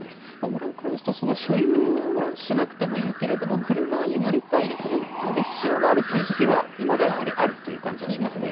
裏を返すと、所有はしなくてもいいけれども、車に乗りたい、乗る必要があるというときはいまだ、やはりあるという感じはしますね。